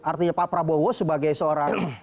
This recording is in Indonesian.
artinya pak prabowo sebagai seorang